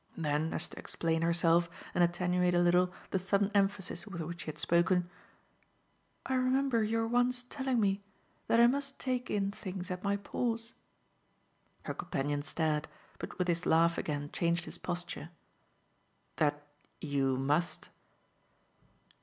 Then as to explain herself and attenuate a little the sudden emphasis with which she had spoken: "I remember your once telling me that I must take in things at my pores." Her companion stared, but with his laugh again changed his posture. "That you' must